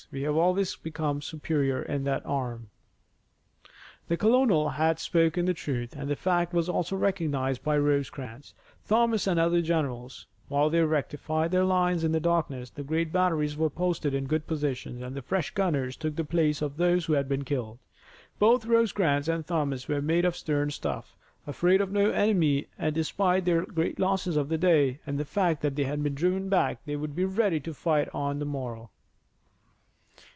We have always been superior in that arm." The colonel had spoken the truth, and the fact was also recognized by Rosecrans, Thomas and the other generals. While they rectified their lines in the darkness, the great batteries were posted in good positions, and fresh gunners took the place of those who had been killed. Both Rosecrans and Thomas were made of stern stuff. Afraid of no enemy, and, despite their great losses of the day and the fact that they had been driven back, they would be ready to fight on the morrow.